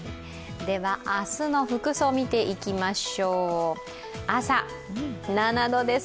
明日の服装、見ていきましょう朝、７度です。